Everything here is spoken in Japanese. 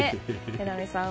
榎並さん。